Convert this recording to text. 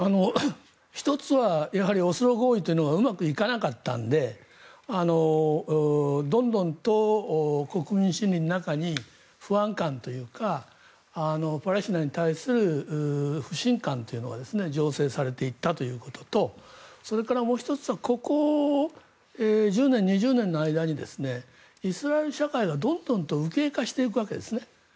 １つはやはりオスロ合意というのがうまくいかなかったのでどんどんと国民心理の中に不安感というかパレスチナに対する不信感というのが醸成されていったということとそれからもう１つはここ１０年、２０年の間にイスラエル社会がどんどんと右傾化していくわけです。